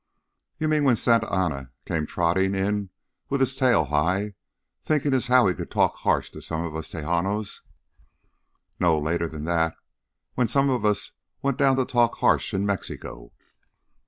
"You mean when Santa Anna came trottin' in with his tail high, thinkin' as how he could talk harsh to some of us Tejanos?" "No, later than that when some of us went down to talk harsh in Mexico."